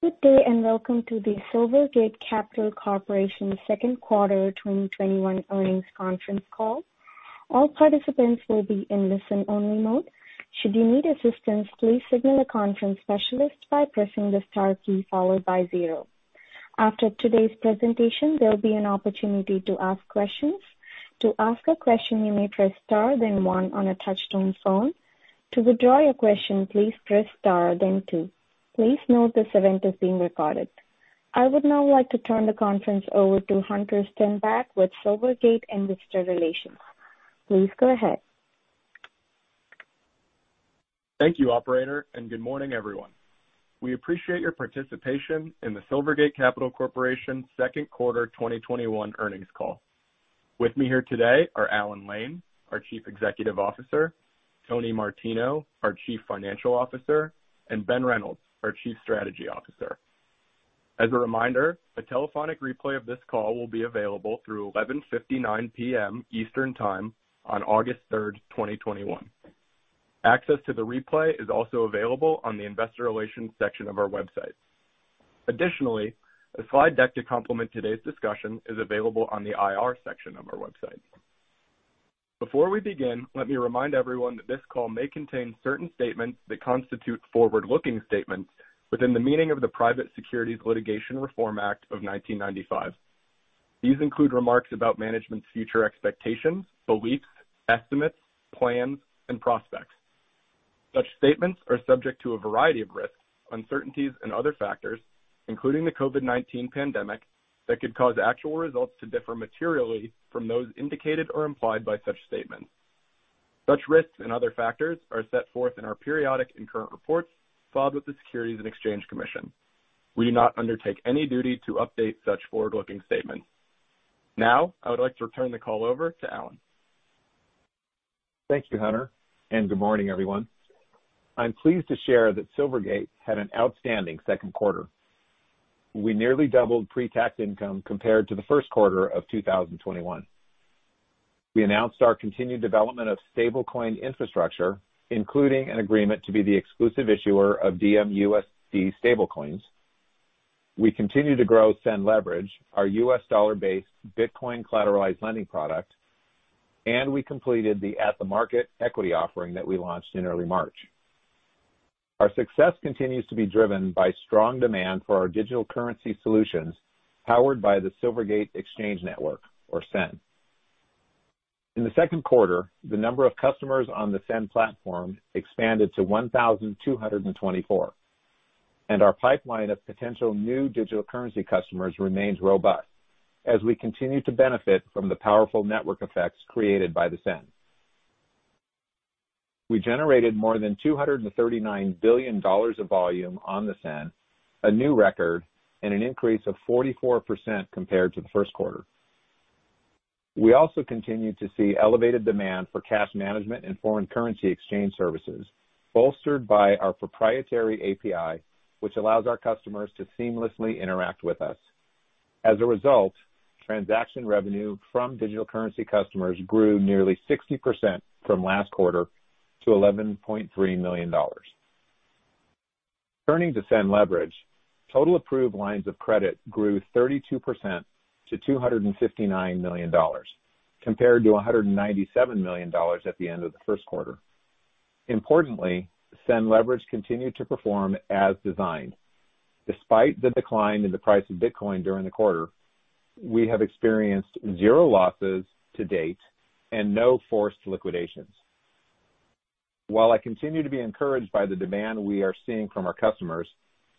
Good day, and welcome to the Silvergate Capital Corporation second quarter 2021 earnings conference call. I would now like to turn the conference over to Hunter Stenback with Silvergate Investor Relations. Please go ahead. Thank you, operator. Good morning, everyone. We appreciate your participation in the Silvergate Capital Corporation second quarter 2021 earnings call. With me here today are Alan Lane, our Chief Executive Officer, Antonio Martino, our Chief Financial Officer, and Ben Reynolds, our Chief Strategy Officer. As a reminder, a telephonic replay of this call will be available through 11:59 P.M. Eastern Time on August 3, 2021. Access to the replay is also available on the investor relations section of our website. Additionally, a slide deck to complement today's discussion is available on the IR section of our website. Before we begin, let me remind everyone that this call may contain certain statements that constitute forward-looking statements within the meaning of the Private Securities Litigation Reform Act of 1995. These include remarks about management's future expectations, beliefs, estimates, plans, and prospects. Such statements are subject to a variety of risks, uncertainties, and other factors, including the COVID-19 pandemic, that could cause actual results to differ materially from those indicated or implied by such statements. Such risks and other factors are set forth in our periodic and current reports filed with the Securities and Exchange Commission. We do not undertake any duty to update such forward-looking statements. I would like to turn the call over to Alan. Thank you, Hunter, and good morning, everyone. I'm pleased to share that Silvergate had an outstanding second quarter. We nearly doubled pre-tax income compared to the first quarter of 2021. We announced our continued development of stablecoin infrastructure, including an agreement to be the exclusive issuer of Diem USD stablecoins. We continue to grow SEN Leverage, our U.S. dollar-based Bitcoin collateralized lending product, and we completed the at-the-market equity offering that we launched in early March. Our success continues to be driven by strong demand for our digital currency solutions powered by the Silvergate Exchange Network, or SEN. In the second quarter, the number of customers on the SEN platform expanded to 1,224, and our pipeline of potential new digital currency customers remains robust as we continue to benefit from the powerful network effects created by the SEN. We generated more than $239 billion of volume on the SEN, a new record, and an increase of 44% compared to the first quarter. We also continue to see elevated demand for cash management and foreign currency exchange services bolstered by our proprietary API, which allows our customers to seamlessly interact with us. As a result, transaction revenue from digital currency customers grew nearly 60% from last quarter to $11.3 million. Turning to SEN Leverage, total approved lines of credit grew 32% to $259 million compared to $197 million at the end of the first quarter. Importantly, SEN Leverage continued to perform as designed. Despite the decline in the price of Bitcoin during the quarter, we have experienced zero losses to date and no forced liquidations. While I continue to be encouraged by the demand we are seeing from our customers,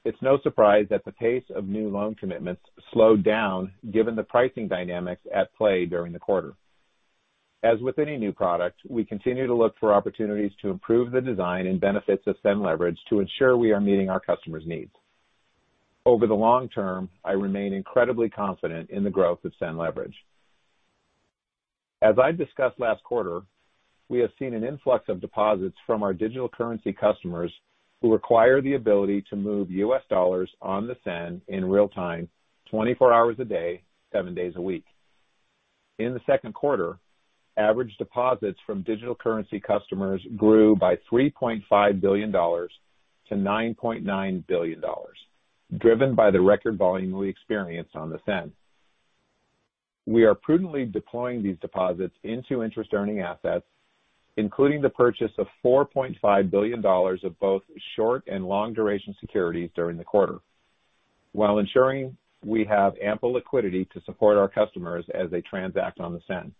it's no surprise that the pace of new loan commitments slowed down given the pricing dynamics at play during the quarter. As with any new product, we continue to look for opportunities to improve the design and benefits of SEN Leverage to ensure we are meeting our customers' needs. Over the long term, I remain incredibly confident in the growth of SEN Leverage. As I discussed last quarter, we have seen an influx of deposits from our digital currency customers who require the ability to move U.S. dollars on the SEN in real time, 24 hours a day, seven days a week. In the second quarter, average deposits from digital currency customers grew by $3.5 billion to $9.9 billion, driven by the record volume we experienced on the SEN. We are prudently deploying these deposits into interest-earning assets, including the purchase of $4.5 billion of both short and long-duration securities during the quarter while ensuring we have ample liquidity to support our customers as they transact on the SEN.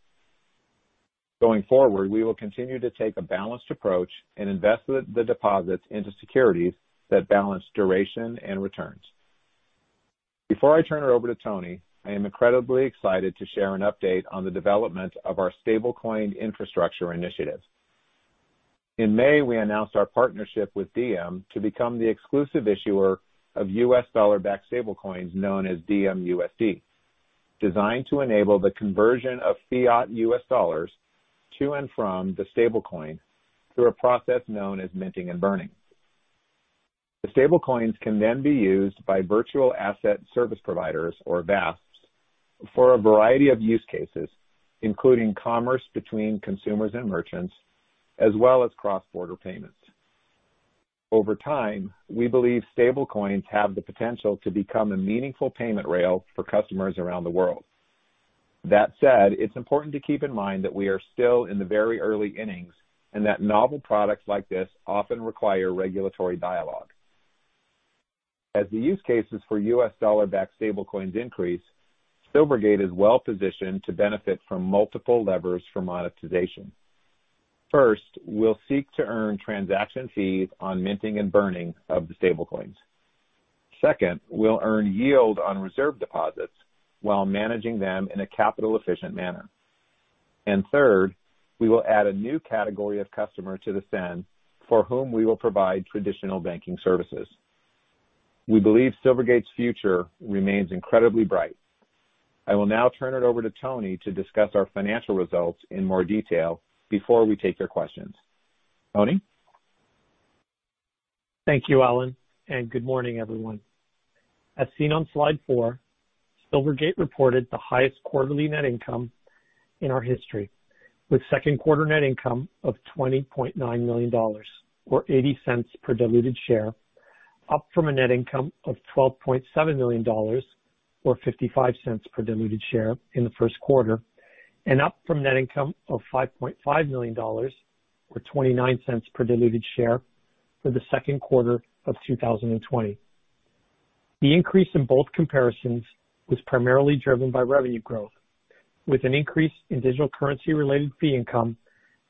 Going forward, we will continue to take a balanced approach and invest the deposits into securities that balance duration and returns. Before I turn it over to Tony, I am incredibly excited to share an update on the development of our stablecoin infrastructure initiative. In May, we announced our partnership with Diem to become the exclusive issuer of U.S. dollar-backed stablecoins known as Diem USD, designed to enable the conversion of fiat U.S. dollars to and from the stablecoin through a process known as minting and burning. The stablecoins can then be used by virtual asset service providers, or VASPs, for a variety of use cases, including commerce between consumers and merchants, as well as cross-border payments. Over time, we believe stablecoins have the potential to become a meaningful payment rail for customers around the world. That said, it's important to keep in mind that we are still in the very early innings, and that novel products like this often require regulatory dialogue. As the use cases for U.S. dollar-backed stablecoins increase, Silvergate is well-positioned to benefit from multiple levers for monetization. First, we'll seek to earn transaction fees on minting and burning of the stablecoins. Second, we'll earn yield on reserve deposits while managing them in a capital-efficient manner. Third, we will add a new category of customer to the SEN for whom we will provide traditional banking services. We believe Silvergate's future remains incredibly bright. I will now turn it over to Tony to discuss our financial results in more detail before we take your questions. Tony? Thank you, Alan, and good morning, everyone. As seen on slide four, Silvergate reported the highest quarterly net income in our history, with second quarter net income of $20.9 million or $0.80 per diluted share, up from a net income of $12.7 million or $0.55 per diluted share in the first quarter, and up from net income of $5.5 million or $0.29 per diluted share for the second quarter of 2020. The increase in both comparisons was primarily driven by revenue growth, with an increase in digital currency-related fee income,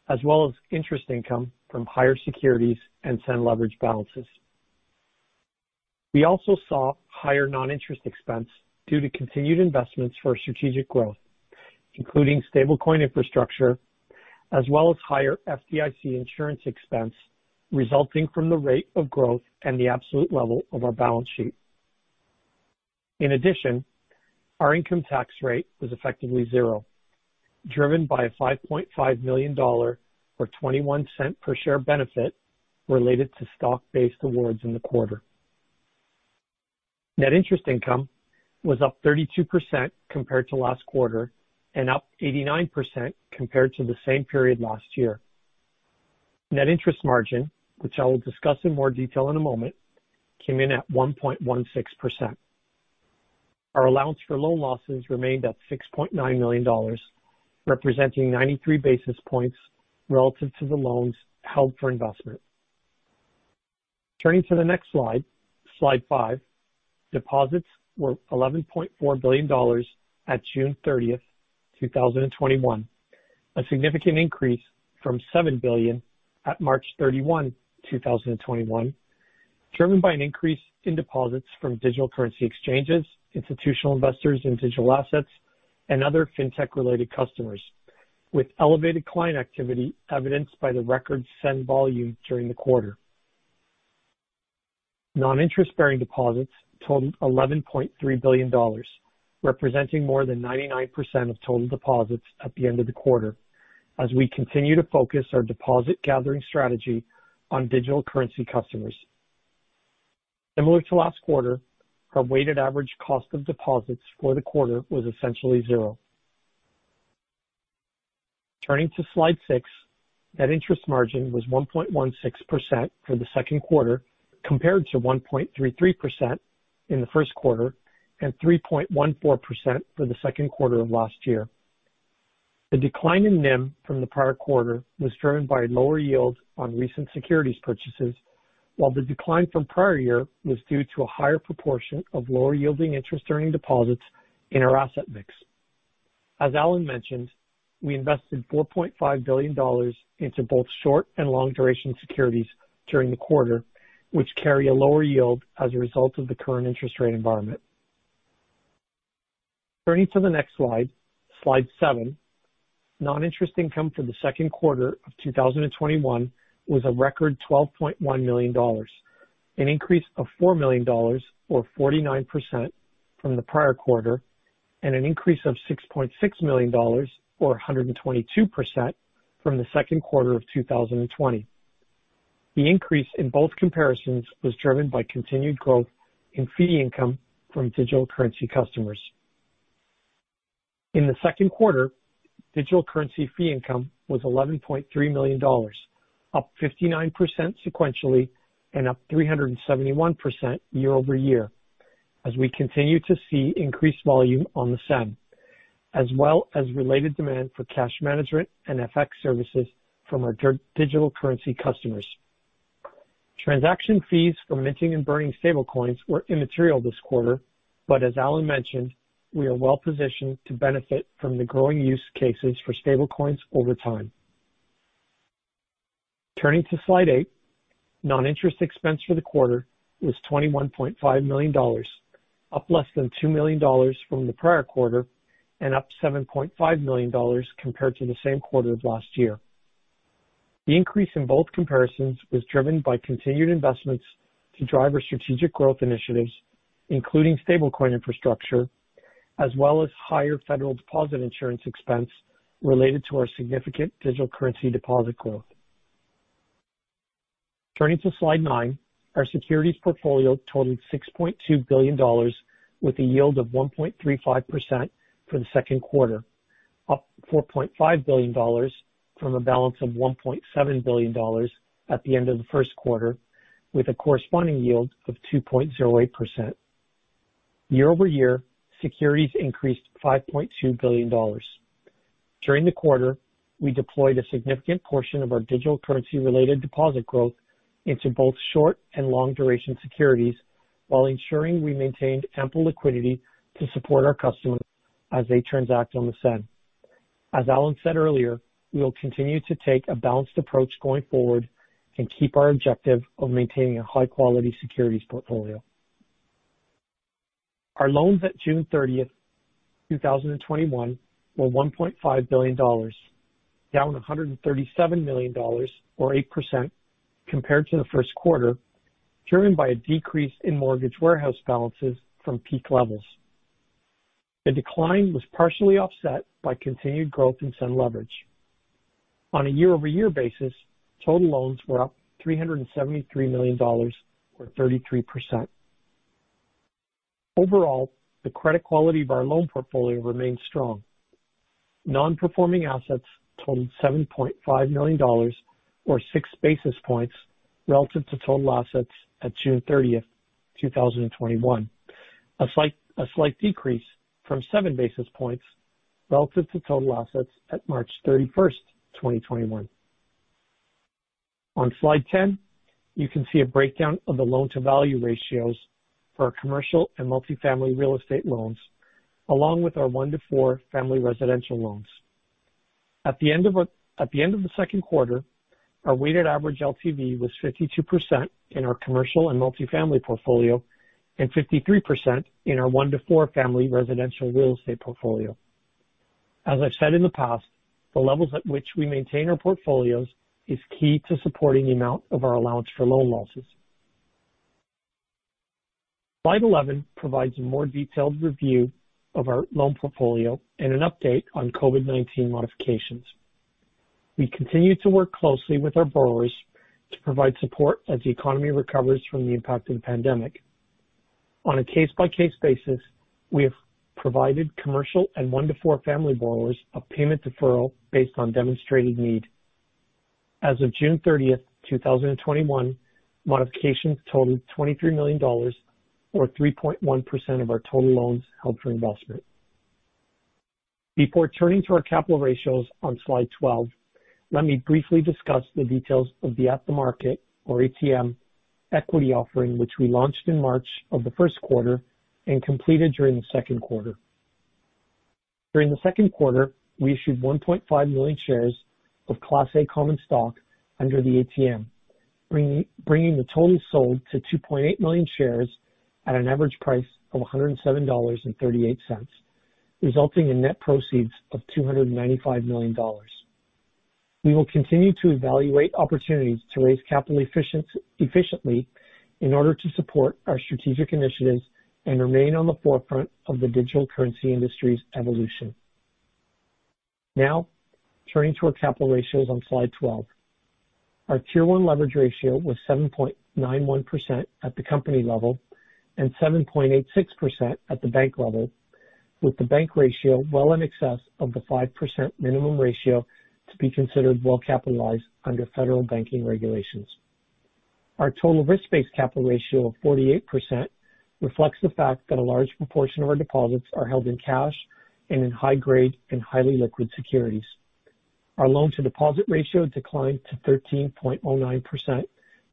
as well as interest income from higher securities and SEN Leverage balances. We also saw higher non-interest expense due to continued investments for our strategic growth, including stablecoin infrastructure, as well as higher FDIC insurance expense resulting from the rate of growth and the absolute level of our balance sheet. In addition, our income tax rate was effectively zero, driven by a $5.5 million or $0.21 per share benefit related to stock-based awards in the quarter. Net interest income was up 32% compared to last quarter and up 89% compared to the same period last year. Net interest margin, which I will discuss in more detail in a moment, came in at 1.16%. Our allowance for loan losses remained at $6.9 million, representing 93 basis points relative to the loans held for investment. Turning to the next slide, slide five. Deposits were $11.4 billion at June 30th, 2021, a significant increase from $7 billion at March 31, 2021, driven by an increase in deposits from digital currency exchanges, institutional investors in digital assets, and other fintech-related customers with elevated client activity evidenced by the record SEN volume during the quarter. Non-interest-bearing deposits totaled $11.3 billion, representing more than 99% of total deposits at the end of the quarter, as we continue to focus our deposit-gathering strategy on digital currency customers. Similar to last quarter, our weighted average cost of deposits for the quarter was essentially zero. Turning to slide six. Net interest margin was 1.16% for the second quarter, compared to 1.33% in the first quarter and 3.14% for the second quarter of last year. The decline in NIM from the prior quarter was driven by lower yields on recent securities purchases, while the decline from prior year was due to a higher proportion of lower yielding interest-earning deposits in our asset mix. As Alan mentioned, we invested $4.5 billion into both short and long-duration securities during the quarter, which carry a lower yield as a result of the current interest rate environment. Turning to the next slide, slide seven. Non-interest income for the second quarter of 2021 was a record $12.1 million, an increase of $4 million or 49% from the prior quarter, and an increase of $6.6 million or 122% from the second quarter of 2020. The increase in both comparisons was driven by continued growth in fee income from digital currency customers. In the second quarter, digital currency fee income was $11.3 million, up 59% sequentially and up 371% year-over-year as we continue to see increased volume on the SEN, as well as related demand for cash management and FX services from our digital currency customers. Transaction fees for minting and burning stablecoins were immaterial this quarter, but as Alan mentioned, we are well positioned to benefit from the growing use cases for stablecoins over time. Turning to slide eight. Non-interest expense for the quarter was $21.5 million, up less than $2 million from the prior quarter and up $7.5 million compared to the same quarter of last year. The increase in both comparisons was driven by continued investments to drive our strategic growth initiatives, including stablecoin infrastructure. As well as higher federal deposit insurance expense related to our significant digital currency deposit growth. Turning to slide nine, our securities portfolio totaled $6.2 billion with a yield of 1.35% for the second quarter, up $4.5 billion from a balance of $1.7 billion at the end of the first quarter, with a corresponding yield of 2.08%. Year-over-year, securities increased $5.2 billion. During the quarter, we deployed a significant portion of our digital currency-related deposit growth into both short and long duration securities, while ensuring we maintained ample liquidity to support our customers as they transact on the SEN. As Alan said earlier, we will continue to take a balanced approach going forward and keep our objective of maintaining a high-quality securities portfolio. Our loans at June 30th, 2021, were $1.5 billion, down $137 million, or 8%, compared to the first quarter, driven by a decrease in mortgage warehouse balances from peak levels. The decline was partially offset by continued growth in SEN Leverage. On a year-over-year basis, total loans were up $373 million, or 33%. Overall, the credit quality of our loan portfolio remains strong. Non-performing assets totaled $7.5 million, or 6 basis points relative to total assets at June 30th, 2021, a slight decrease from 7 basis points relative to total assets at March 31st, 2021. On slide 10, you can see a breakdown of the loan-to-value ratios for our commercial and multifamily real estate loans, along with our one-to-four family residential loans. At the end of the second quarter, our weighted average LTV was 52% in our commercial and multifamily portfolio and 53% in our one-to-four family residential real estate portfolio. As I've said in the past, the levels at which we maintain our portfolios is key to supporting the amount of our allowance for loan losses. Slide 11 provides a more detailed review of our loan portfolio and an update on COVID-19 modifications. We continue to work closely with our borrowers to provide support as the economy recovers from the impact of the pandemic. On a case-by-case basis, we have provided commercial and one-to-four family borrowers a payment deferral based on demonstrated need. As of June 30th, 2021, modifications totaled $23 million, or 3.1% of our total loans held for investment. Before turning to our capital ratios on slide 12, let me briefly discuss the details of the at-the-market, or ATM, equity offering, which we launched in March of the first quarter and completed during the second quarter. During the second quarter, we issued 1.5 million shares of Class A common stock under the ATM, bringing the total sold to 2.8 million shares at an average price of $107.38, resulting in net proceeds of $295 million. We will continue to evaluate opportunities to raise capital efficiently in order to support our strategic initiatives and remain on the forefront of the digital currency industry's evolution. Now, turning to our capital ratios on slide 12. Our Tier 1 leverage ratio was 7.91% at the company level and 7.86% at the bank level, with the bank ratio well in excess of the 5% minimum ratio to be considered well-capitalized under federal banking regulations. Our total risk-based capital ratio of 48% reflects the fact that a large proportion of our deposits are held in cash and in high grade and highly liquid securities. Our loan-to-deposit ratio declined to 13.09%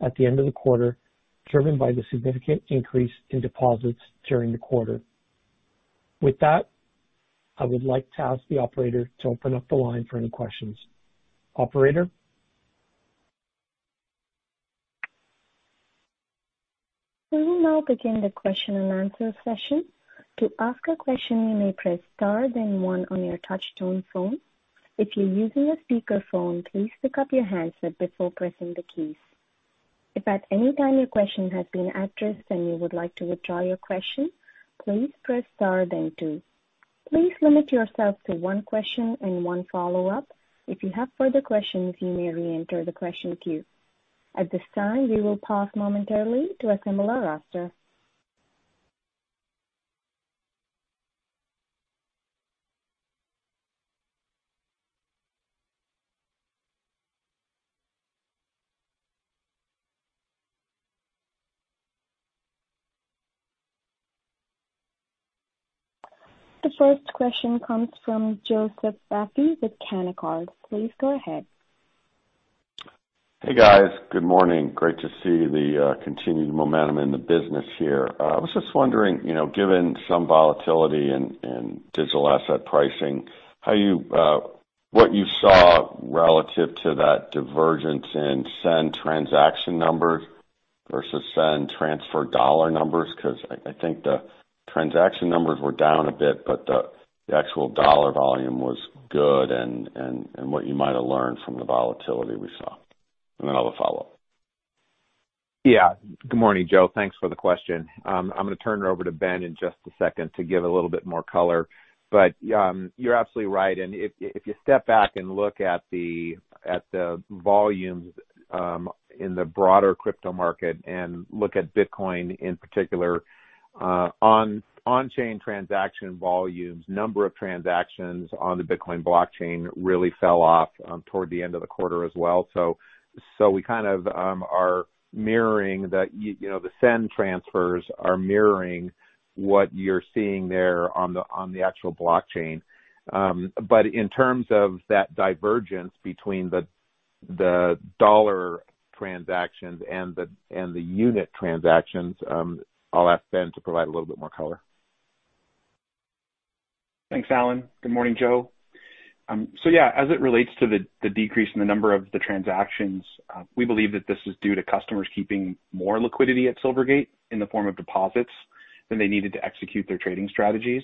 at the end of the quarter, driven by the significant increase in deposits during the quarter. With that, I would like to ask the operator to open up the line for any questions. Operator? The first question comes from Joseph Vafi with Canaccord. Please go ahead. Hey, guys. Good morning. Great to see the continued momentum in the business here. I was just wondering, given some volatility in digital asset pricing, what you saw relative to that divergence in SEN transaction numbers versus SEN transfer dollar numbers, because I think the transaction numbers were down a bit, but the actual dollar volume was good and what you might have learned from the volatility we saw. Then I'll have a follow-up. Good morning, Joe. Thanks for the question. I'm going to turn it over to Ben in just a second to give a little bit more color. You're absolutely right. If you step back and look at the volumes in the broader crypto market and look at Bitcoin in particular, on chain transaction volumes, number of transactions on the Bitcoin blockchain really fell off toward the end of the quarter as well. The SEN transfers are mirroring what you're seeing there on the actual blockchain. In terms of that divergence between the dollar transactions and the unit transactions, I'll ask Ben to provide a little bit more color. Thanks, Alan. Good morning, Joe. Yeah, as it relates to the decrease in the number of the transactions, we believe that this is due to customers keeping more liquidity at Silvergate in the form of deposits than they needed to execute their trading strategies,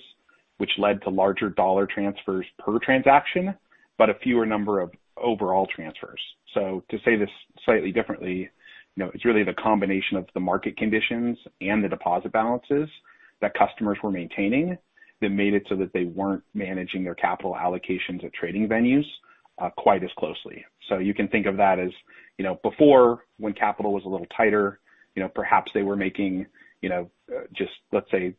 which led to larger dollar transfers per transaction, but a fewer number of overall transfers. To say this slightly differently, it's really the combination of the market conditions and the deposit balances that customers were maintaining that made it so that they weren't managing their capital allocations at trading venues quite as closely. You can think of that as, before, when capital was a little tighter, perhaps they were making, just let's say,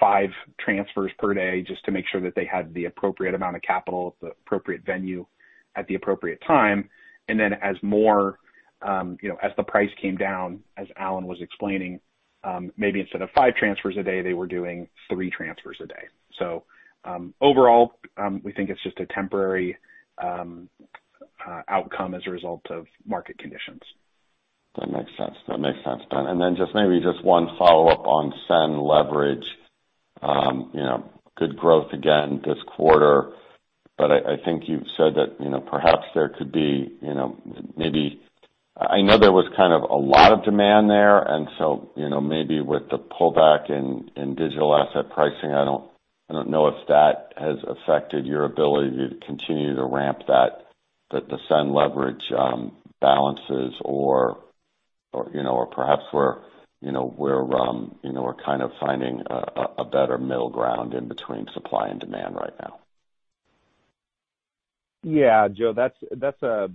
five transfers per day just to make sure that they had the appropriate amount of capital at the appropriate venue at the appropriate time. As the price came down, as Alan was explaining, maybe instead of five transfers a day, they were doing three transfers a day. Overall, we think it's just a temporary outcome as a result of market conditions. That makes sense. That makes sense, Ben. Then just maybe just one follow-up on SEN Leverage. Good growth again this quarter, but I think you've said that perhaps there could be maybe I know there was kind of a lot of demand there, and so, maybe with the pullback in digital asset pricing, I don't know if that has affected your ability to continue to ramp the SEN Leverage balances or perhaps we're kind of finding a better middle ground in between supply and demand right now. Yeah. Joe, that's a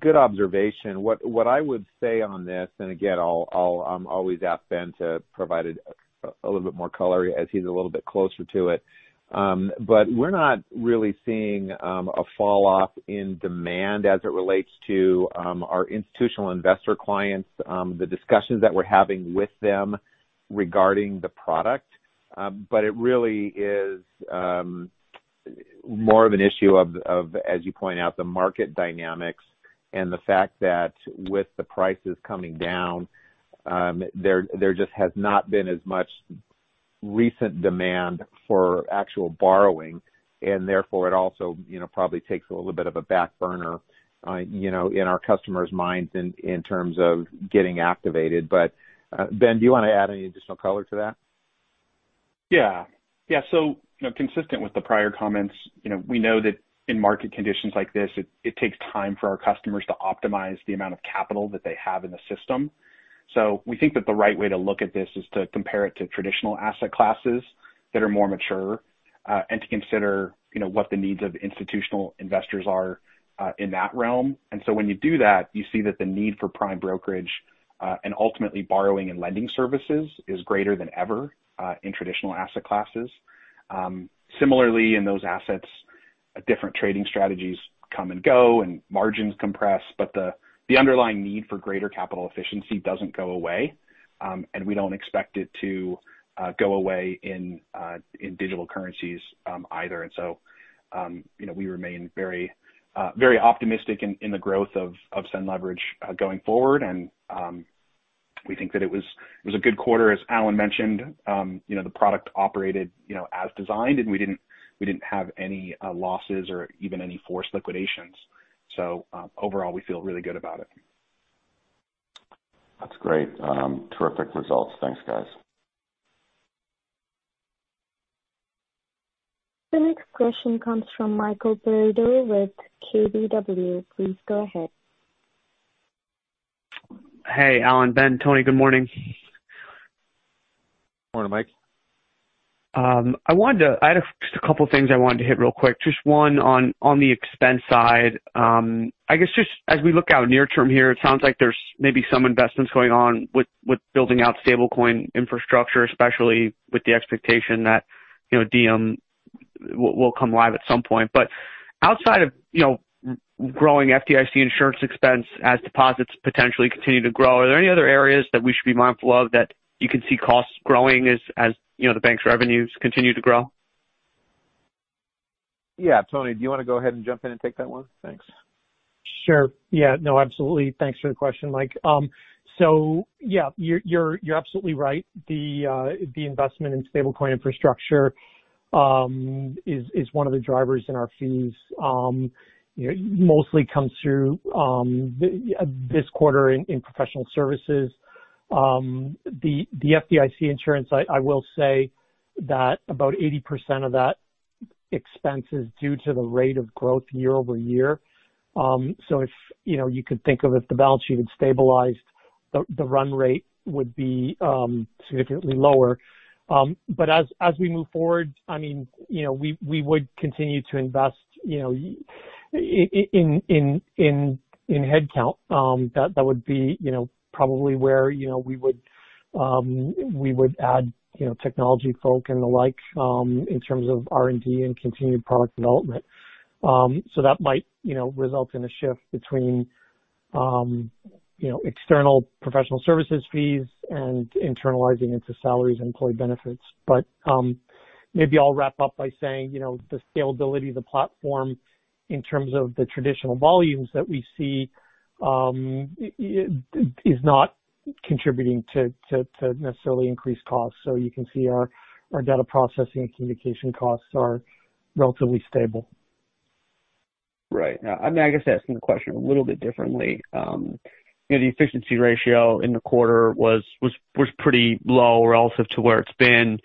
good observation. What I would say on this, and again, I'll always ask Ben to provide a little bit more color as he's a little bit closer to it. We're not really seeing a fall off in demand as it relates to our institutional investor clients, the discussions that we're having with them regarding the product. It really is more of an issue of, as you point out, the market dynamics and the fact that with the prices coming down, there just has not been as much recent demand for actual borrowing, and therefore it also probably takes a little bit of a back burner in our customers' minds in terms of getting activated. Ben, do you want to add any additional color to that? Yeah. Consistent with the prior comments, we know that in market conditions like this, it takes time for our customers to optimize the amount of capital that they have in the system. We think that the right way to look at this is to compare it to traditional asset classes that are more mature, and to consider what the needs of institutional investors are in that realm. When you do that, you see that the need for prime brokerage, and ultimately borrowing and lending services, is greater than ever in traditional asset classes. Similarly, in those assets, different trading strategies come and go, and margins compress, but the underlying need for greater capital efficiency doesn't go away. We don't expect it to go away in digital currencies either. We remain very optimistic in the growth of SEN Leverage going forward. We think that it was a good quarter, as Alan mentioned. The product operated as designed, and we didn't have any losses or even any forced liquidations. Overall, we feel really good about it. That's great. Terrific results. Thanks, guys. The next question comes from Michael Perito with KBW. Please go ahead. Hey, Alan, Ben, Tony. Good morning. Morning, Mike. I had just a couple of things I wanted to hit real quick. Just one on the expense side. I guess just as we look out near term here, it sounds like there's maybe some investments going on with building out stablecoin infrastructure, especially with the expectation that Diem will come live at some point. Outside of growing FDIC insurance expense as deposits potentially continue to grow, are there any other areas that we should be mindful of that you can see costs growing as the bank's revenues continue to grow? Yeah. Tony, do you want to go ahead and jump in and take that one? Thanks. Sure. Yeah. No, absolutely. Thanks for the question, Mike. Yeah, you're absolutely right. The investment in stablecoin infrastructure is one of the drivers in our fees. Mostly comes through this quarter in professional services. The FDIC insurance, I will say that about 80% of that expenses due to the rate of growth year-over-year. You could think of if the balance sheet had stabilized, the run rate would be significantly lower. As we move forward, we would continue to invest in headcount. That would be probably where we would add technology folk and the like in terms of R&D and continued product development. That might result in a shift between external professional services fees and internalizing into salaries and employee benefits. Maybe I'll wrap up by saying the scalability of the platform in terms of the traditional volumes that we see is not contributing to necessarily increased costs. You can see our data processing and communication costs are relatively stable. Right. Now, I guess I asked the question a little bit differently. The efficiency ratio in the quarter was pretty low relative to where it's been.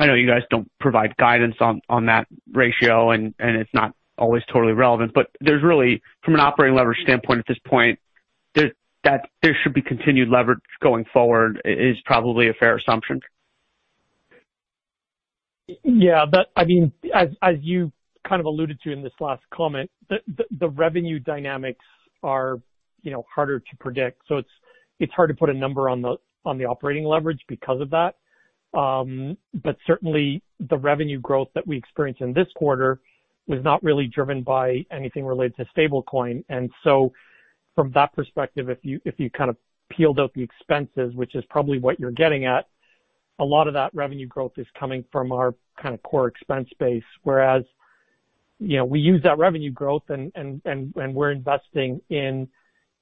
I know you guys don't provide guidance on that ratio, and it's not always totally relevant, but there's really, from an operating leverage standpoint at this point, there should be continued leverage going forward is probably a fair assumption. Yeah. As you kind of alluded to in this last comment, the revenue dynamics are harder to predict. It's hard to put a number on the operating leverage because of that. Certainly the revenue growth that we experienced in this quarter was not really driven by anything related to stablecoin. From that perspective, if you kind of peeled out the expenses, which is probably what you're getting at, a lot of that revenue growth is coming from our kind of core expense base. We use that revenue growth and we're investing in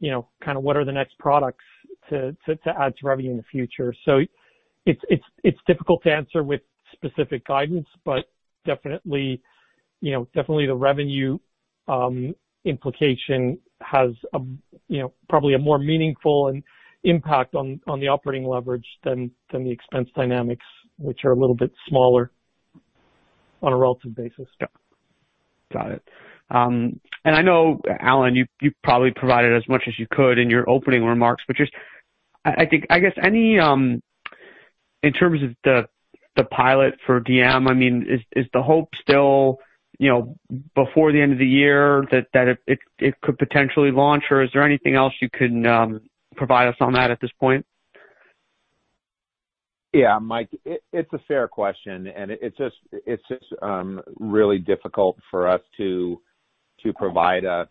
kind of what are the next products to add to revenue in the future. It's difficult to answer with specific guidance, but definitely the revenue implication has probably a more meaningful impact on the operating leverage than the expense dynamics, which are a little bit smaller on a relative basis. Yeah. Got it. I know, Alan, you probably provided as much as you could in your opening remarks, but just I guess any, in terms of the pilot for Diem, is the hope still before the end of the year that it could potentially launch? Or is there anything else you can provide us on that at this point? Yeah. Mike, it's a fair question, and it's just really difficult for us to provide a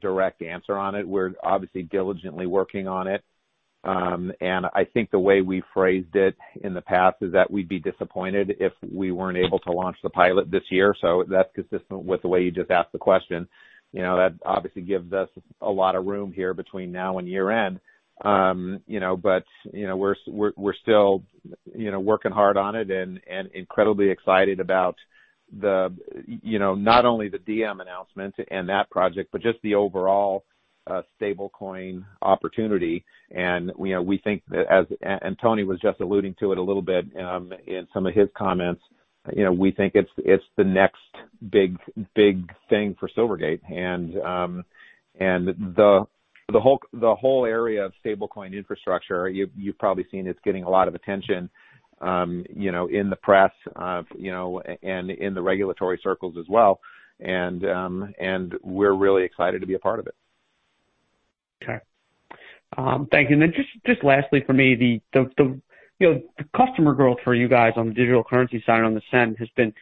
direct answer on it. We're obviously diligently working on it. I think the way we phrased it in the past is that we'd be disappointed if we weren't able to launch the pilot this year. That's consistent with the way you just asked the question. That obviously gives us a lot of room here between now and year-end. We're still working hard on it and incredibly excited about not only the Diem announcement and that project, but just the overall stablecoin opportunity. We think that, and Tony was just alluding to it a little bit in some of his comments, we think it's the next big thing for Silvergate. The whole area of stablecoin infrastructure, you've probably seen it's getting a lot of attention in the press and in the regulatory circles as well. We're really excited to be a part of it. Okay. Thank you. Just lastly from me, the customer growth for you guys on the digital currency side, on the SEN, has been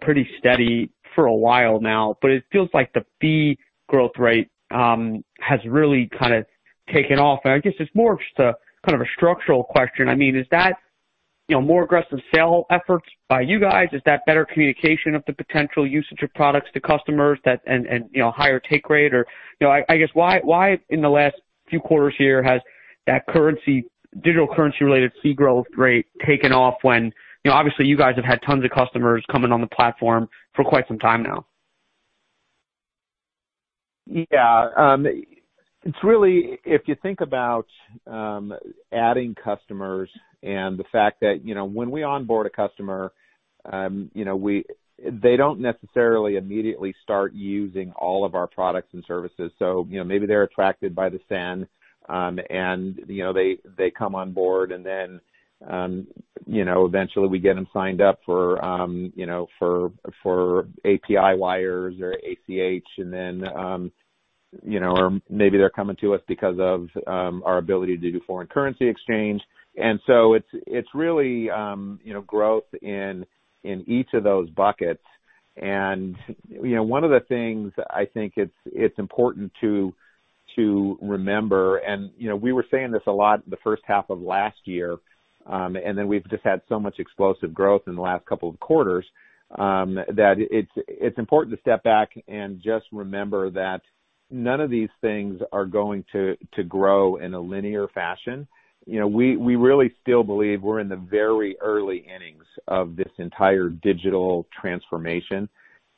pretty steady for a while now. It feels like the fee growth rate has really kind of taken off. I guess it's more of just a kind of a structural question. Is that more aggressive sale efforts by you guys? Is that better communication of the potential usage of products to customers and higher take rate? I guess why in the last few quarters here has that digital currency-related fee growth rate taken off when obviously you guys have had tons of customers coming on the platform for quite some time now? It's really, if you think about adding customers and the fact that when we onboard a customer, they don't necessarily immediately start using all of our products and services. Maybe they're attracted by the SEN, and they come on board and then eventually we get them signed up for API wires or ACH, or maybe they're coming to us because of our ability to do foreign currency exchange. It's really growth in each of those buckets. One of the things I think it's important to remember, and we were saying this a lot the first half of last year, and then we've just had so much explosive growth in the last couple of quarters, that it's important to step back and just remember that none of these things are going to grow in a linear fashion. We really still believe we're in the very early innings of this entire digital transformation.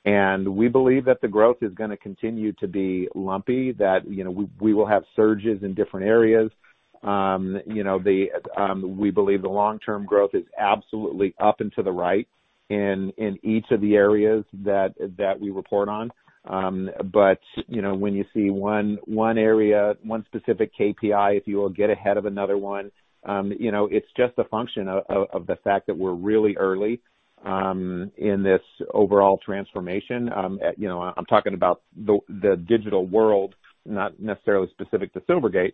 We believe that the growth is going to continue to be lumpy, that we will have surges in different areas. We believe the long-term growth is absolutely up and to the right in each of the areas that we report on. When you see one area, one specific KPI, if you will, get ahead of another one, it's just a function of the fact that we're really early in this overall transformation. I'm talking about the digital world, not necessarily specific to Silvergate.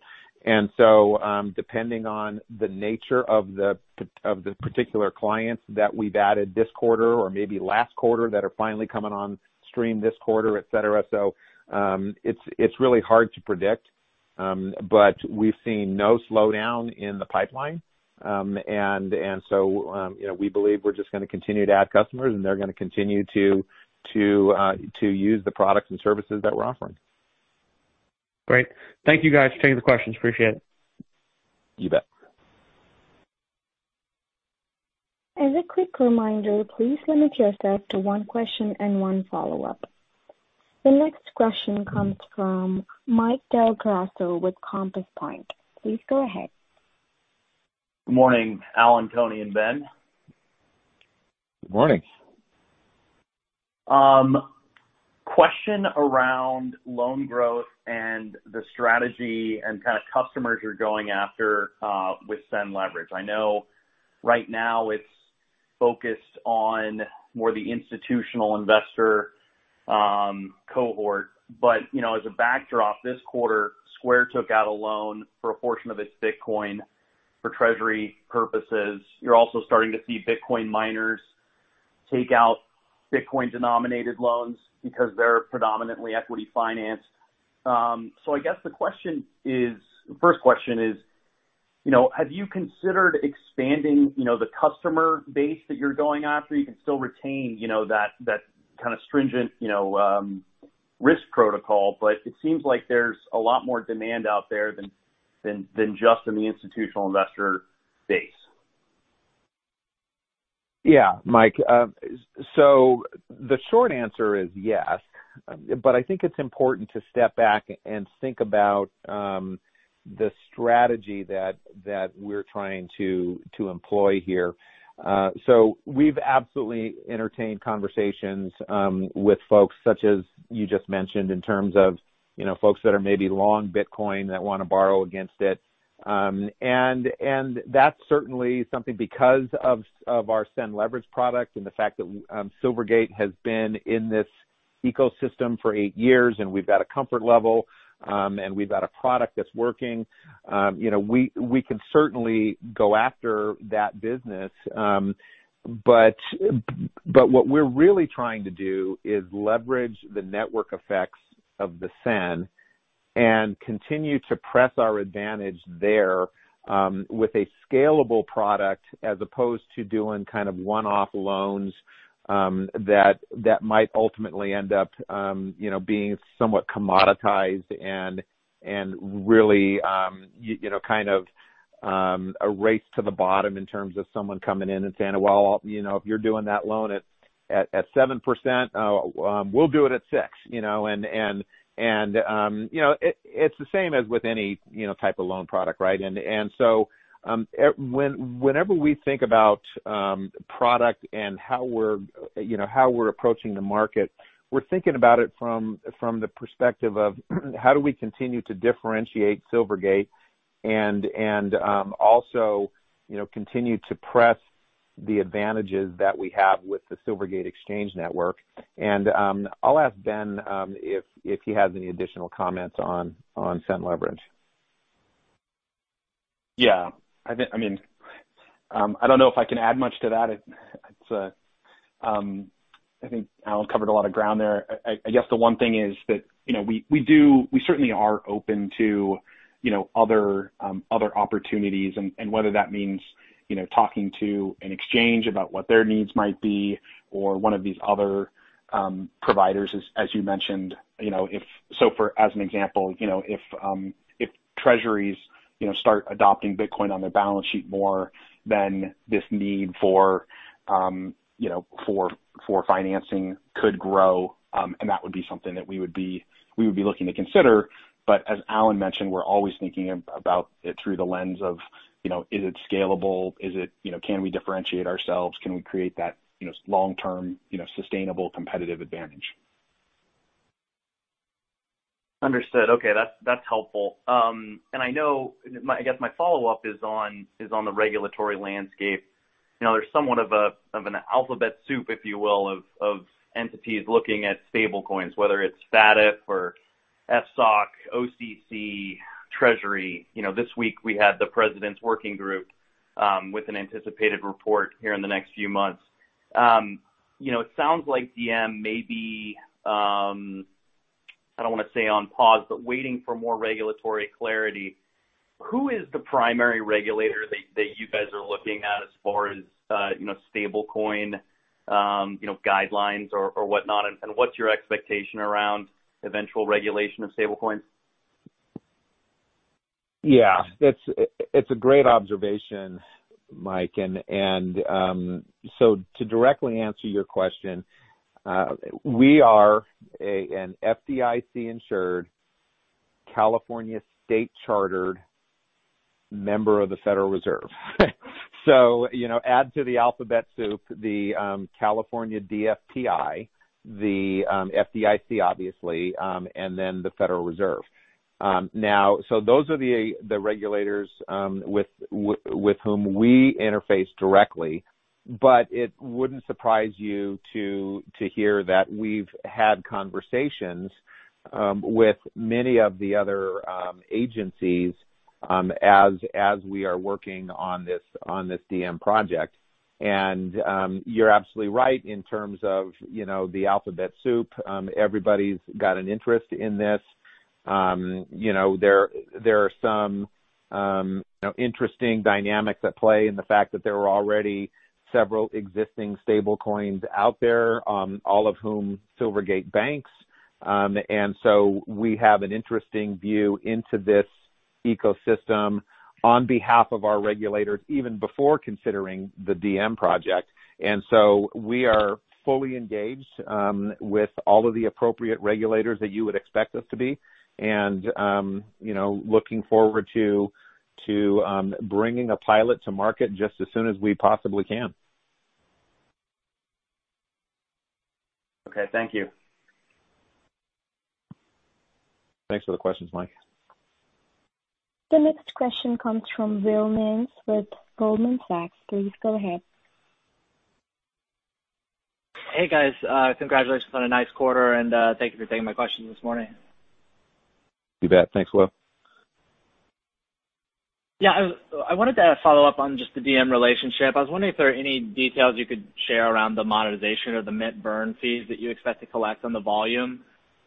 Depending on the nature of the particular clients that we've added this quarter or maybe last quarter that are finally coming on stream this quarter, et cetera, it's really hard to predict. We've seen no slowdown in the pipeline. We believe we're just going to continue to add customers, and they're going to continue to use the products and services that we're offering. Great. Thank you guys for taking the questions. Appreciate it. You bet. As a quick reminder, please limit yourself to one question and one follow-up. The next question comes from Mike Del Grosso with Compass Point. Please go ahead. Good morning, Alan, Tony, and Ben. Good morning. Question around loan growth and the strategy and kind of customers you're going after with SEN Leverage. I know right now it's focused on more the institutional investor cohort. As a backdrop, this quarter, Square took out a loan for a portion of its Bitcoin for treasury purposes. You're also starting to see Bitcoin miners take out Bitcoin-denominated loans because they're predominantly equity financed. I guess the first question is, have you considered expanding the customer base that you're going after? You can still retain that kind of stringent risk protocol, but it seems like there's a lot more demand out there than just in the institutional investor base. Yeah, Mike. The short answer is yes, but I think it's important to step back and think about the strategy that we're trying to employ here. We've absolutely entertained conversations with folks such as you just mentioned, in terms of folks that are maybe long Bitcoin that want to borrow against it. That's certainly something because of our SEN Leverage product and the fact that Silvergate has been in this ecosystem for eight years, and we've got a comfort level, and we've got a product that's working. We can certainly go after that business. What we're really trying to do is leverage the network effects of the SEN and continue to press our advantage there with a scalable product as opposed to doing kind of one-off loans that might ultimately end up being somewhat commoditized and really kind of a race to the bottom in terms of someone coming in and saying, well, if you're doing that loan at 7%, we'll do it at 6%. It's the same as with any type of loan product, right? Whenever we think about product and how we're approaching the market, we're thinking about it from the perspective of how do we continue to differentiate Silvergate and also continue to press the advantages that we have with the Silvergate Exchange Network. I'll ask Ben if he has any additional comments on SEN Leverage. I don't know if I can add much to that. I think Alan covered a lot of ground there. I guess the one thing is that we certainly are open to other opportunities, and whether that means talking to an exchange about what their needs might be or one of these other providers, as you mentioned. As an example, if treasuries start adopting Bitcoin on their balance sheet more, then this need for financing could grow, and that would be something that we would be looking to consider. As Alan mentioned, we're always thinking about it through the lens of, is it scalable? Can we differentiate ourselves? Can we create that long-term sustainable competitive advantage? Understood. Okay. That's helpful. I guess my follow-up is on the regulatory landscape. There's somewhat of an alphabet soup, if you will, of entities looking at stablecoins, whether it's FATF or FSOC, OCC, Treasury. This week we had the President's Working Group, with an anticipated report here in the next few months. It sounds like Diem may be, I don't want to say on pause, but waiting for more regulatory clarity. Who is the primary regulator that you guys are looking at as far as stablecoin guidelines or whatnot, and what's your expectation around eventual regulation of stablecoins? Yeah. It's a great observation, Mike. To directly answer your question, we are an FDIC-insured, California state-chartered member of the Federal Reserve. Add to the alphabet soup, the California DFPI, the FDIC, obviously, the Federal Reserve. Those are the regulators with whom we interface directly, but it wouldn't surprise you to hear that we've had conversations with many of the other agencies, as we are working on this Diem project. You're absolutely right in terms of the alphabet soup. Everybody's got an interest in this. There are some interesting dynamics at play in the fact that there are already several existing stablecoins out there, all of whom Silvergate banks. We have an interesting view into this ecosystem on behalf of our regulators, even before considering the Diem project. We are fully engaged with all of the appropriate regulators that you would expect us to be, and looking forward to bringing a pilot to market just as soon as we possibly can. Okay. Thank you. Thanks for the questions, Mike. The next question comes from Will Nance with Goldman Sachs. Please go ahead. Hey, guys. Congratulations on a nice quarter, and thank you for taking my questions this morning. You bet. Thanks, Will. I wanted to follow up on just the Diem relationship. I was wondering if there are any details you could share around the monetization or the mint burn fees that you expect to collect on the volume.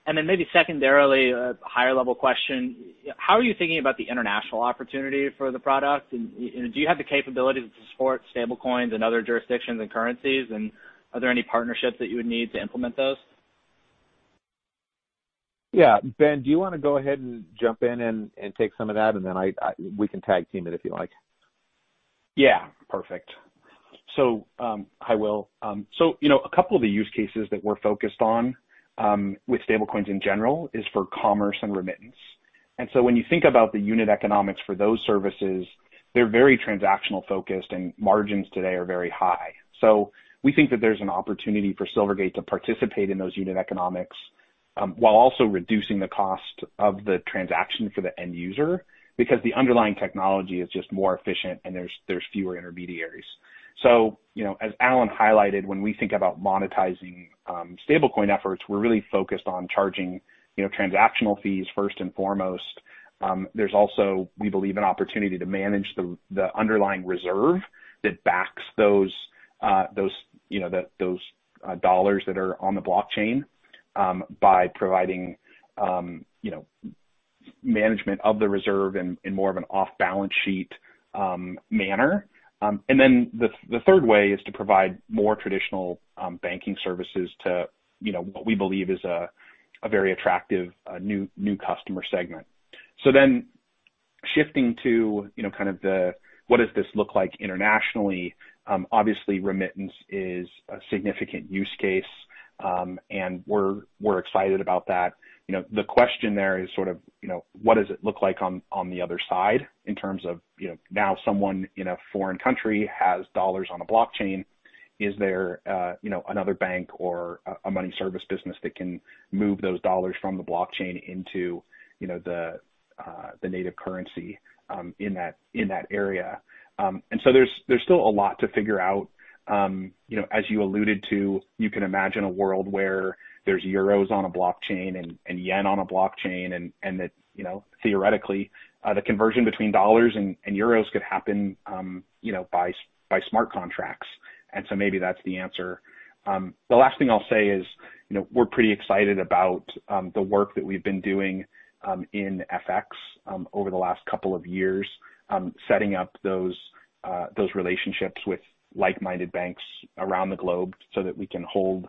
Then maybe secondarily, a higher-level question, how are you thinking about the international opportunity for the product? Do you have the capability to support stablecoins in other jurisdictions and currencies, and are there any partnerships that you would need to implement those? Yeah. Ben, do you want to go ahead and jump in and take some of that, and then we can tag team it if you like. Yeah. Perfect. Hi, Will. A couple of the use cases that we're focused on with stablecoins in general is for commerce and remittance. When you think about the unit economics for those services, they're very transactional-focused, and margins today are very high. We think that there's an opportunity for Silvergate to participate in those unit economics while also reducing the cost of the transaction for the end user, because the underlying technology is just more efficient and there's fewer intermediaries. As Alan highlighted, when we think about monetizing stablecoin efforts, we're really focused on charging transactional fees first and foremost. There's also, we believe, an opportunity to manage the underlying reserve that backs those dollars that are on the blockchain by providing management of the reserve in more of an off-balance sheet manner. The third way is to provide more traditional banking services to what we believe is a very attractive new customer segment. Shifting to kind of the what does this look like internationally, obviously remittance is a significant use case, and we're excited about that. The question there is sort of what does it look like on the other side in terms of now someone in a foreign country has dollars on a blockchain. Is there another bank or a money service business that can move those dollars from the blockchain into the native currency in that area? There's still a lot to figure out. As you alluded to, you can imagine a world where there's euros on a blockchain and yen on a blockchain, and that theoretically, the conversion between dollars and euros could happen by smart contracts. Maybe that's the answer. The last thing I'll say is we're pretty excited about the work that we've been doing in FX over the last couple of years, setting up those relationships with like-minded banks around the globe so that we can hold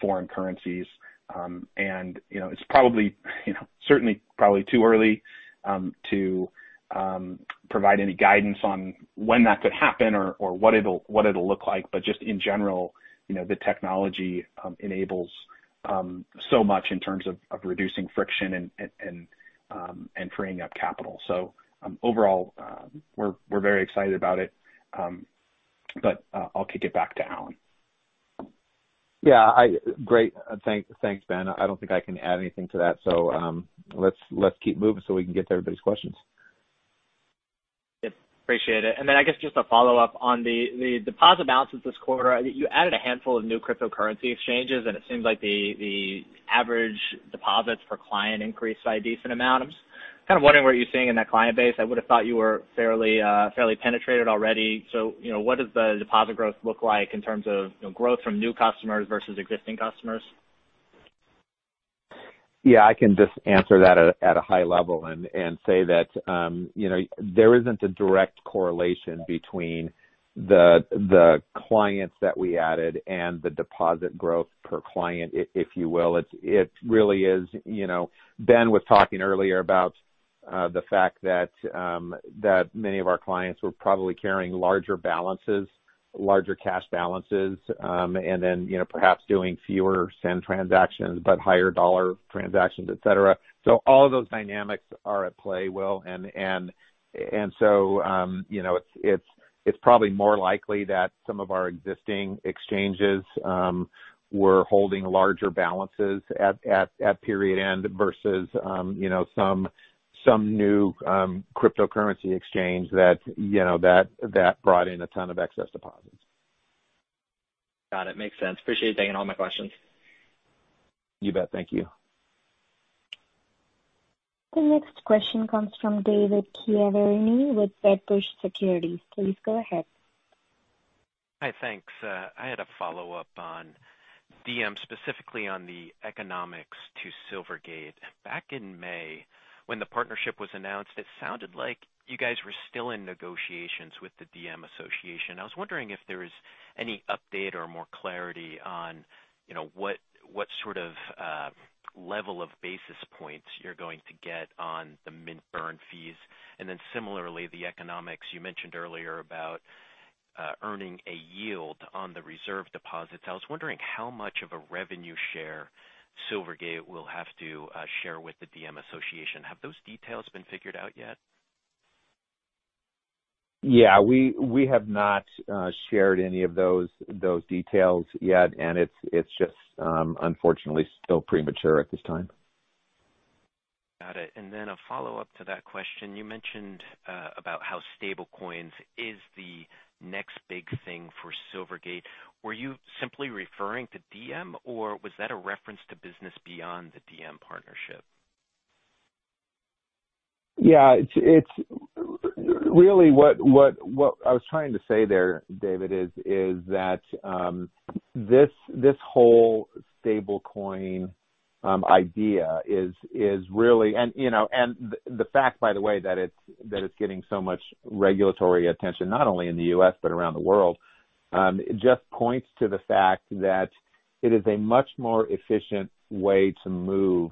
foreign currencies. It's certainly probably too early to provide any guidance on when that could happen or what it'll look like, but just in general, the technology enables so much in terms of reducing friction and freeing up capital. Overall, we're very excited about it. I'll kick it back to Alan. Yeah. Great. Thanks, Ben. I don't think I can add anything to that. Let's keep moving so we can get to everybody's questions. Yep. Appreciate it. I guess just a follow-up on the deposit balances this quarter. You added a handful of new cryptocurrency exchanges, and it seems like the average deposits per client increased by a decent amount. Kind of wondering what you're seeing in that client base. I would've thought you were fairly penetrated already. What does the deposit growth look like in terms of growth from new customers versus existing customers? I can just answer that at a high level and say that there isn't a direct correlation between the clients that we added and the deposit growth per client, if you will. Ben was talking earlier about the fact that many of our clients were probably carrying larger cash balances, and then perhaps doing fewer SEN transactions, but higher dollar transactions, et cetera. All of those dynamics are at play, Will. It's probably more likely that some of our existing exchanges were holding larger balances at period end versus some new cryptocurrency exchange that brought in a ton of excess deposits. Got it, makes sense. Appreciate you taking all my questions. You bet. Thank you. The next question comes from David Chiaverini with Wedbush Securities. Please go ahead. Hi, thanks. I had a follow-up on Diem, specifically on the economics to Silvergate. Back in May, when the partnership was announced, it sounded like you guys were still in negotiations with the Diem Association. I was wondering if there is any update or more clarity on what sort of level of basis points you're going to get on the mint burn fees. Similarly, the economics you mentioned earlier about earning a yield on the reserve deposits. I was wondering how much of a revenue share Silvergate will have to share with the Diem Association. Have those details been figured out yet? Yeah. We have not shared any of those details yet. It's just unfortunately still premature at this time. Got it. Then a follow-up to that question. You mentioned about how stablecoins is the next big thing for Silvergate. Were you simply referring to Diem, or was that a reference to business beyond the Diem partnership? Really what I was trying to say there, David, is that this whole stablecoin idea is really and the fact, by the way, that it's getting so much regulatory attention, not only in the U.S. but around the world, just points to the fact that it is a much more efficient way to move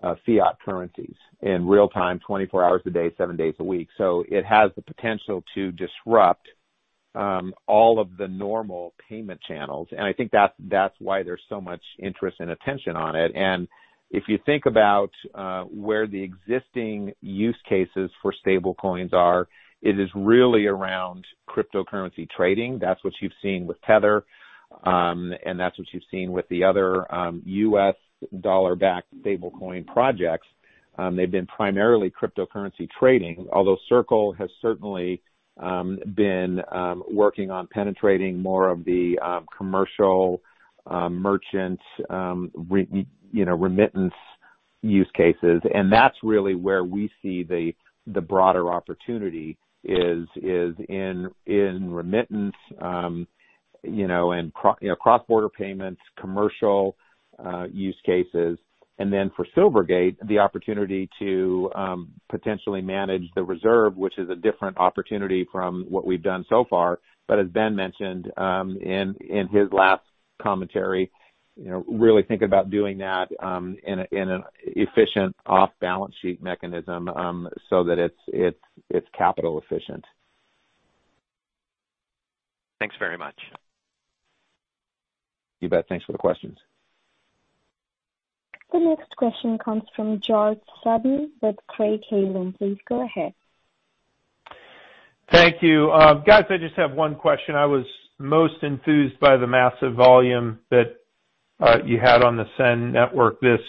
fiat currencies in real time, 24 hours a day, seven days a week. It has the potential to disrupt all of the normal payment channels, and I think that's why there's so much interest and attention on it. If you think about where the existing use cases for stablecoins are, it is really around cryptocurrency trading. That's what you've seen with Tether, and that's what you've seen with the other U.S. dollar-backed stablecoin projects. They've been primarily cryptocurrency trading, although Circle has certainly been working on penetrating more of the commercial merchant remittance use cases. That's really where we see the broader opportunity is in remittance and cross-border payments, commercial use cases. For Silvergate, the opportunity to potentially manage the reserve, which is a different opportunity from what we've done so far. As Ben mentioned in his last commentary, really thinking about doing that in an efficient off-balance sheet mechanism, so that it's capital efficient. Thanks very much. You bet. Thanks for the questions. The next question comes from George Sutton with Craig-Hallum. Please go ahead. Thank you. Guys, I just have one question. I was most enthused by the massive volume that you had on the SEN network this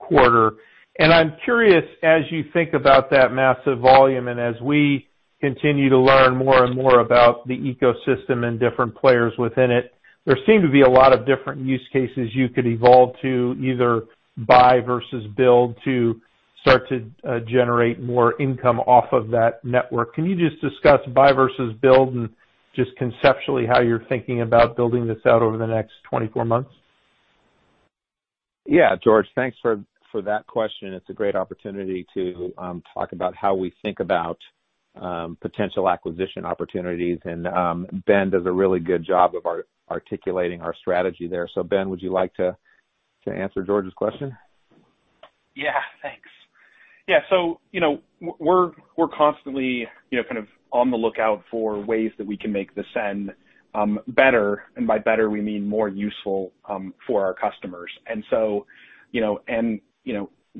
quarter. I'm curious, as you think about that massive volume, and as we continue to learn more and more about the ecosystem and different players within it, there seem to be a lot of different use cases you could evolve to either buy versus build to start to generate more income off of that network. Can you just discuss buy versus build, and just conceptually how you're thinking about building this out over the next 24 months? Yeah, George. Thanks for that question. It's a great opportunity to talk about how we think about potential acquisition opportunities. Ben does a really good job of articulating our strategy there. Ben, would you like to answer George's question? Thanks. We're constantly kind of on the lookout for ways that we can make the SEN better, and by better we mean more useful for our customers.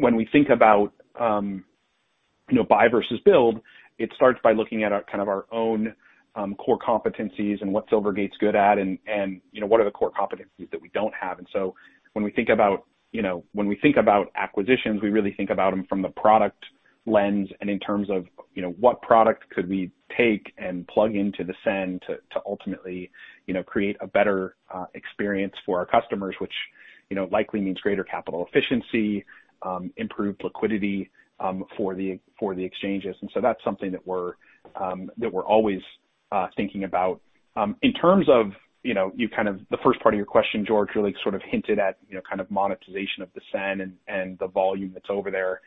When we think about buy versus build, it starts by looking at kind of our own core competencies and what Silvergate's good at, and what are the core competencies that we don't have. When we think about acquisitions, we really think about them from the product lens and in terms of what product could we take and plug into the SEN to ultimately create a better experience for our customers, which likely means greater capital efficiency, improved liquidity for the exchanges. That's something that we're always thinking about. In terms of the first part of your question, George really sort of hinted at kind of monetization of the SEN and the volume that's over there.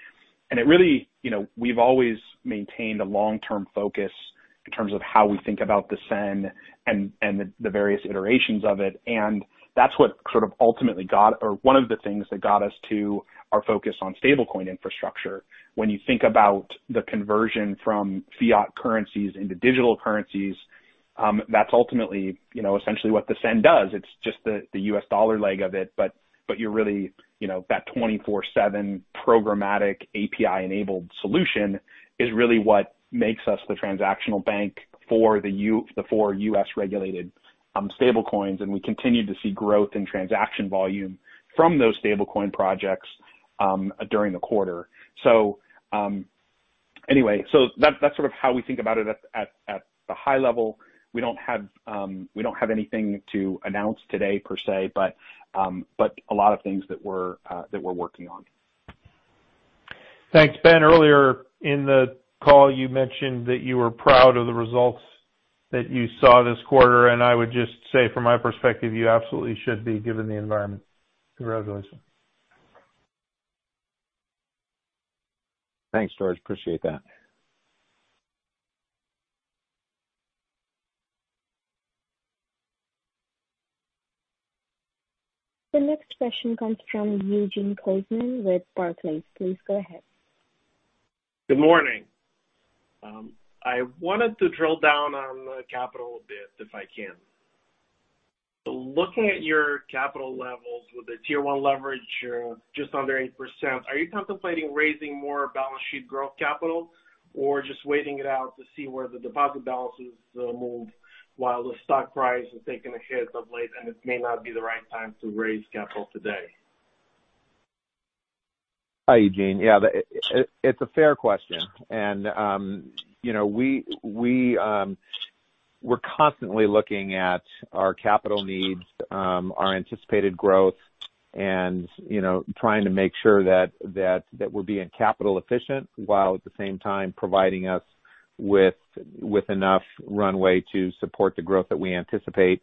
We've always maintained a long-term focus in terms of how we think about the SEN and the various iterations of it, and that's what sort of ultimately got or one of the things that got us to our focus on stablecoin infrastructure. When you think about the conversion from fiat currencies into digital currencies, that's ultimately essentially what the SEN does. It's just the U.S. dollar leg of it. You're really that 24/7 programmatic API-enabled solution is really what makes us the transactional bank for the 4 U.S.-regulated stablecoins. We continue to see growth in transaction volume from those stablecoin projects during the quarter. Anyway, that's sort of how we think about it at the high level. We don't have anything to announce today per se, but a lot of things that we're working on. Thanks. Ben, earlier in the call, you mentioned that you were proud of the results that you saw this quarter. I would just say from my perspective, you absolutely should be, given the environment. Congratulations. Thanks, George. Appreciate that. The next question comes from Eugene Koysman with Barclays. Please go ahead. Good morning. I wanted to drill down on the capital a bit, if I can. Looking at your capital levels with the Tier 1 leverage just under 8%, are you contemplating raising more balance sheet growth capital or just waiting it out to see where the deposit balances move while the stock price has taken a hit of late, and it may not be the right time to raise capital today? Hi, Eugene. Yeah. It's a fair question. We're constantly looking at our capital needs, our anticipated growth, and trying to make sure that we're being capital efficient, while at the same time providing us with enough runway to support the growth that we anticipate.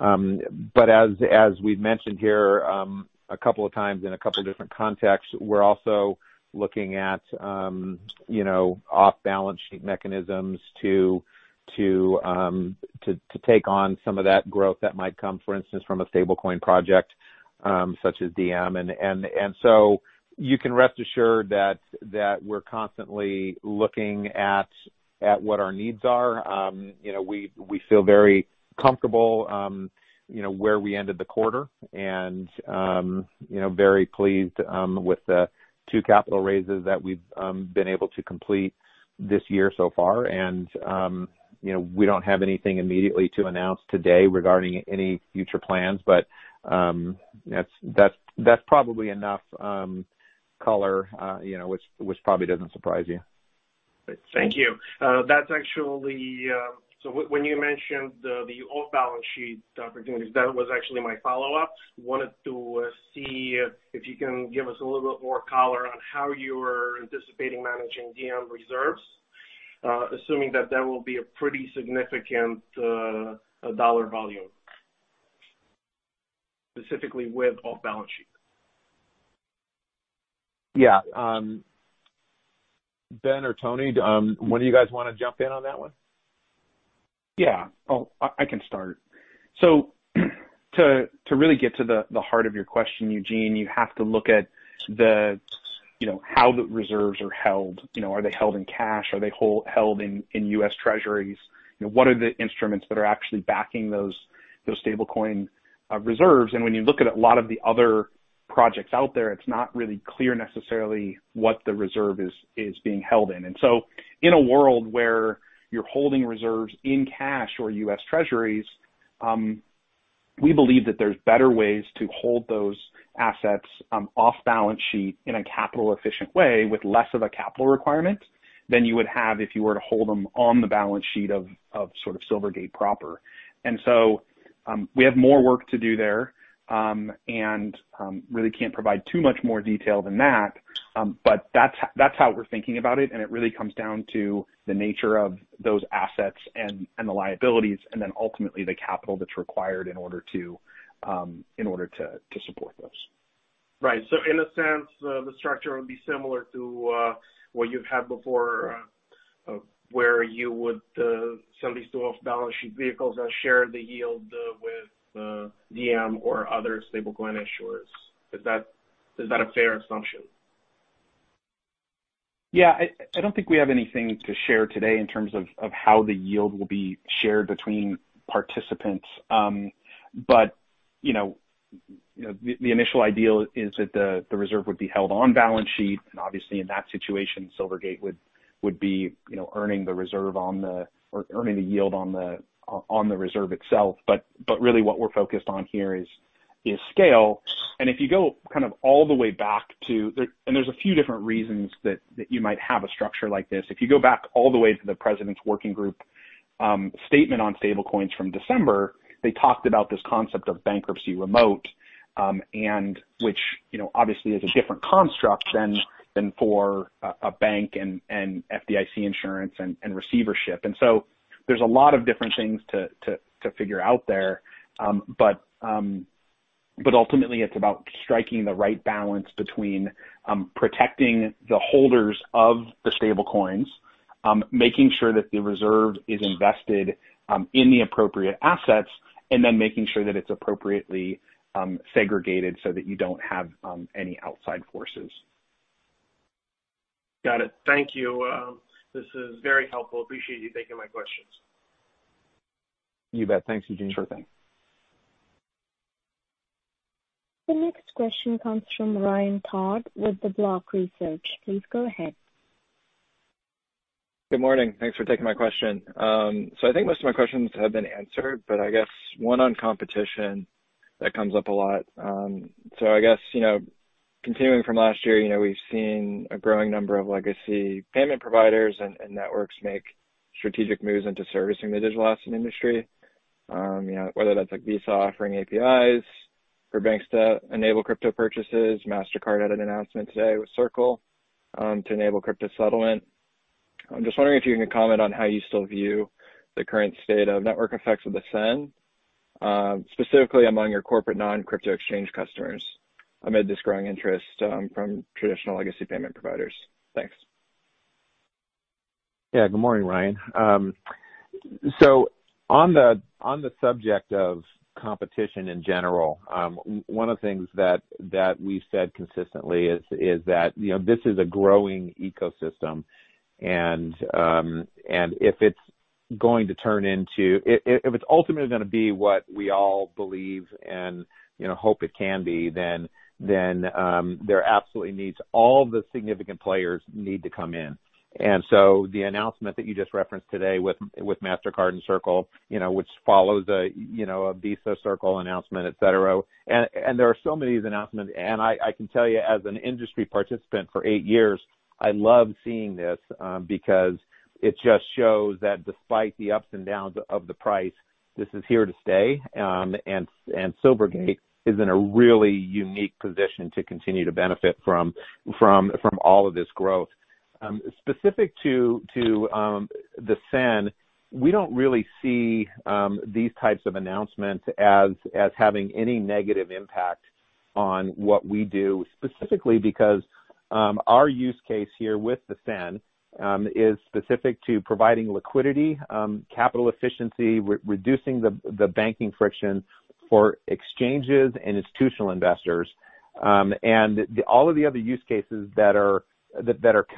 As we've mentioned here a couple of times in a couple different contexts, we're also looking at off-balance sheet mechanisms to take on some of that growth that might come, for instance, from a stablecoin project such as Diem. You can rest assured that we're constantly looking at what our needs are. We feel very comfortable where we ended the quarter and very pleased with the two capital raises that we've been able to complete this year so far. We don't have anything immediately to announce today regarding any future plans, but that's probably enough color, which probably doesn't surprise you. Thank you. When you mentioned the off-balance sheet opportunities, that was actually my follow-up. I wanted to see if you can give us a little bit more color on how you are anticipating managing Diem reserves, assuming that that will be a pretty significant dollar volume, specifically with off balance sheet. Yeah. Ben or Tony, one of you guys want to jump in on that one? Yeah. I can start. To really get to the heart of your question, Eugene, you have to look at how the reserves are held. Are they held in cash? Are they held in U.S. Treasuries? What are the instruments that are actually backing those stablecoin reserves? When you look at a lot of the other projects out there, it's not really clear necessarily what the reserve is being held in. In a world where you're holding reserves in cash or U.S. Treasuries, we believe that there's better ways to hold those assets off balance sheet in a capital efficient way with less of a capital requirement than you would have if you were to hold them on the balance sheet of sort of Silvergate proper. We have more work to do there. Really can't provide too much more detail than that. That's how we're thinking about it, and it really comes down to the nature of those assets and the liabilities, and then ultimately the capital that's required in order to support those. Right. In a sense, the structure would be similar to what you've had before, where you would sell these to off-balance sheet vehicles and share the yield with Diem or other stablecoin issuers. Is that a fair assumption? Yeah. I don't think we have anything to share today in terms of how the yield will be shared between participants. The initial idea is that the reserve would be held on balance sheet, obviously in that situation, Silvergate would be earning the yield on the reserve itself. Really what we're focused on here is scale. There's a few different reasons that you might have a structure like this. If you go back all the way to the President's Working Group statement on stablecoins from December, they talked about this concept of bankruptcy remote. Which obviously is a different construct than for a bank and FDIC insurance and receivership. So there's a lot of different things to figure out there. Ultimately, it's about striking the right balance between protecting the holders of the stablecoins, making sure that the reserve is invested in the appropriate assets, and then making sure that it's appropriately segregated so that you don't have any outside forces. Got it. Thank you. This is very helpful. Appreciate you taking my questions. You bet. Thanks, Eugene. Sure thing. The next question comes from Ryan Todd with The Block Research. Please go ahead. Good morning. Thanks for taking my question. I think most of my questions have been answered, but I guess one on competition that comes up a lot. I guess, continuing from last year, we've seen a growing number of legacy payment providers and networks make strategic moves into servicing the digital asset industry, whether that's like Visa offering APIs for banks to enable crypto purchases. Mastercard had an announcement today with Circle, to enable crypto settlement. I'm just wondering if you can comment on how you still view the current state of network effects of the SEN, specifically among your corporate non-crypto exchange customers amid this growing interest from traditional legacy payment providers. Thanks. Yeah. Good morning, Ryan. On the subject of competition in general, one of the things that we've said consistently is that this is a growing ecosystem and if it's ultimately going to be what we all believe and hope it can be, then all the significant players need to come in. The announcement that you just referenced today with Mastercard and Circle, which follows a Visa Circle announcement, et cetera, and there are so many of these announcements, and I can tell you as an industry participant for eight years, I love seeing this, because it just shows that despite the ups and downs of the price, this is here to stay. Silvergate is in a really unique position to continue to benefit from all of this growth. Specific to the SEN, we don't really see these types of announcements as having any negative impact on what we do, specifically because our use case here with the SEN, is specific to providing liquidity, capital efficiency, reducing the banking friction for exchanges and institutional investors. All of the other use cases that are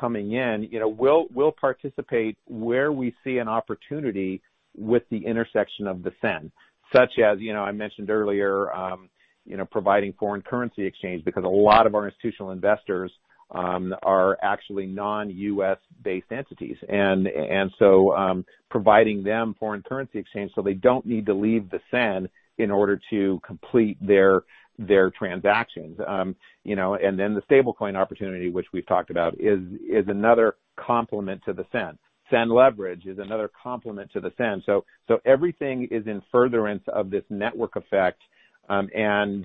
coming in, we'll participate where we see an opportunity with the intersection of the SEN. Such as, I mentioned earlier, providing foreign currency exchange because a lot of our institutional investors are actually non-U.S.-based entities. Providing them foreign currency exchange, so they don't need to leave the SEN in order to complete their transactions. The stablecoin opportunity, which we've talked about, is another complement to the SEN. SEN Leverage is another complement to the SEN. Everything is in furtherance of this network effect, and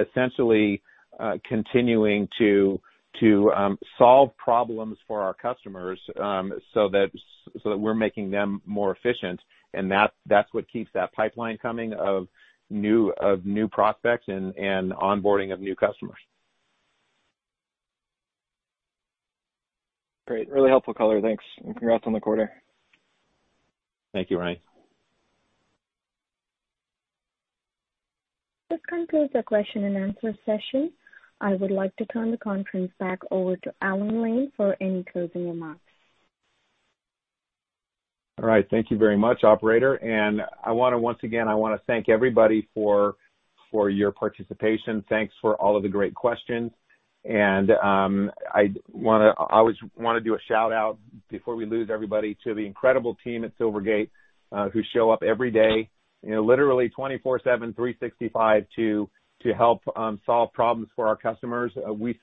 essentially, continuing to solve problems for our customers, so that we're making them more efficient. That's what keeps that pipeline coming of new prospects and onboarding of new customers. Great. Really helpful color. Thanks. Congrats on the quarter. Thank you, Ryan. This concludes the question and answer session. I would like to turn the conference back over to Alan Lane for any closing remarks. All right. Thank you very much, operator. Once again, I want to thank everybody for your participation. Thanks for all of the great questions. I always want to do a shout-out before we lose everybody to the incredible team at Silvergate, who show up every day, literally 24/7, 365 to help solve problems for our customers.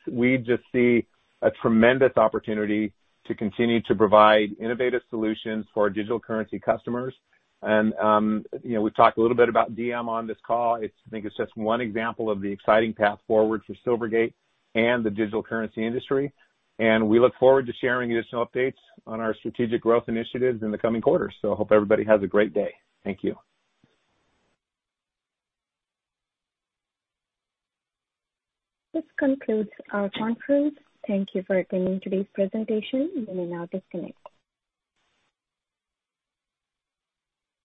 We just see a tremendous opportunity to continue to provide innovative solutions for our digital currency customers. We've talked a little bit about Diem on this call. I think it's just one example of the exciting path forward for Silvergate and the digital currency industry. We look forward to sharing additional updates on our strategic growth initiatives in the coming quarters. Hope everybody has a great day. Thank you. This concludes our conference. Thank you for attending today's presentation. You may now disconnect.